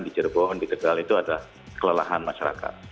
di cirebon di tegal itu adalah kelelahan masyarakat